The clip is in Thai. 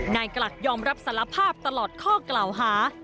กลักยอมรับสารภาพตลอดข้อกล่าวหา